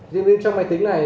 riêng bên trong máy tính này